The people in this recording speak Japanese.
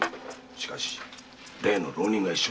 しかし例の浪人が一緒だ。